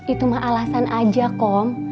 itu mah alasan aja kom